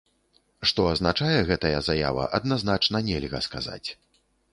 Што азначае гэтая заява, адназначна нельга сказаць.